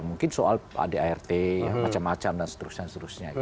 mungkin soal adart macam macam dan seterusnya